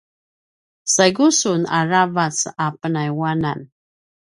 saigu sun aravac a pinayuanan